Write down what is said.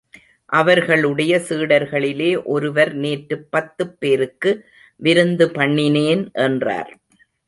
அவர்களுடைய சீடர்களிலே ஒருவர் நேற்றுப் பத்துப் பேருக்கு விருந்து பண்ணினேன் என்றார்.